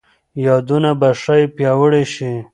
یادونه به ښايي پیاوړي شي.